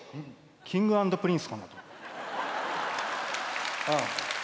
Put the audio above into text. Ｋｉｎｇ＆Ｐｒｉｎｃｅ？